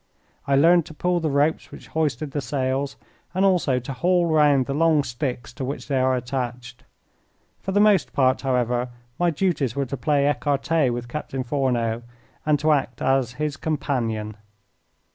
I learned to pull the ropes which hoisted the sails, and also to haul round the long sticks to which they are attached. For the most part, however, my duties were to play ecarte with Captain Fourneau, and to act as his companion.